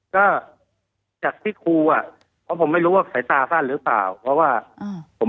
ก็จากที่ครูอ่ะเพราะผมไม่รู้ว่าสายตาสั้นหรือเปล่าเพราะว่าผม